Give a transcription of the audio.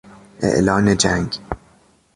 اعلان جنگ